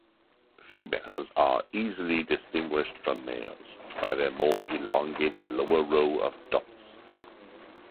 Females are easily distinguished from males by their more elongated lower row of dots.